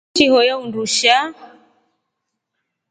Wishi ihoyaa undushaa.